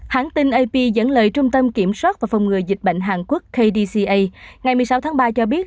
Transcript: hãng tin ap dẫn lời trung tâm kiểm soát và phòng ngừa dịch bệnh hàn quốc kdca ngày một mươi sáu tháng ba cho biết